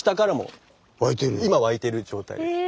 今湧いてる状態です。